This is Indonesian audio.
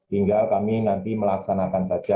hingga kami nanti melaksanakan saja